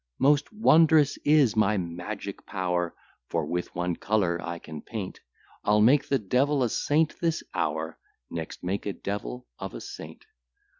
Most wondrous is my magic power: For with one colour I can paint; I'll make the devil a saint this hour, Next make a devil of a saint.